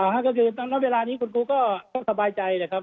ครับก็คือตอนนั้นเวลานี้คุณครูก็สบายใจเลยครับ